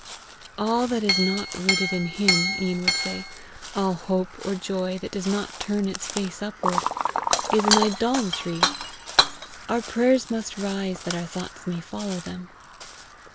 "All that is not rooted in him," Ian would say, "all hope or joy that does not turn its face upward, is an idolatry. Our prayers must rise that our thoughts may follow them."